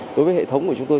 đối với hệ thống của chúng tôi